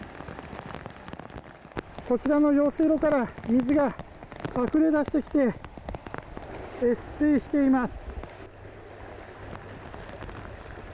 こちらの用水路から水があふれ出してきて越水しています。